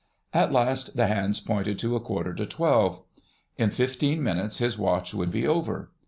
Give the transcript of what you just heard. At last the hands pointed to a quarter to twelve. In fifteen minutes his watch would be over.